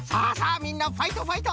みんなファイトファイト！